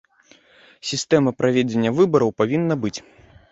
Сістэма правядзення выбараў павінна быць.